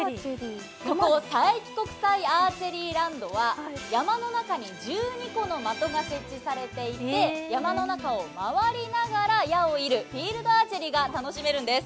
ここ佐伯国際アーチェリーランドは山の中に１２個の的が設置されていて、山の中を回りながら矢を射るフィールドアーチェリーが楽しめるんです。